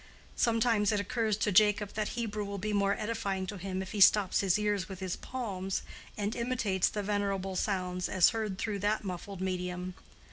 Sometimes it occurs to Jacob that Hebrew will be more edifying to him if he stops his ears with his palms, and imitates the venerable sounds as heard through that muffled medium.